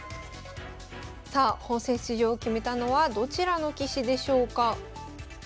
さあ本戦出場を決めたのはどちらの棋士でしょうか。